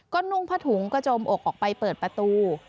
ก็นุ่งผ้าถุงกระจมอกออกไปเปิดประตู